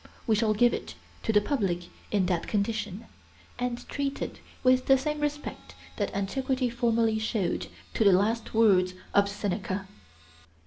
We shall give it to the public in that condition, and treat it with the same respect that antiquity formerly showed to the last words of Seneca.